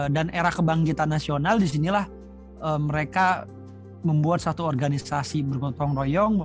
dan era kebangkitan nasional disinilah mereka membuat satu organisasi bergotong royong